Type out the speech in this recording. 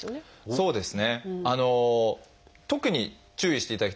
そうです。